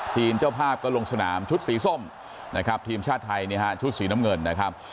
เจ้าภาพก็ลงสนามชุดสีส้มนะครับทีมชาติไทยเนี่ยฮะชุดสีน้ำเงินนะครับ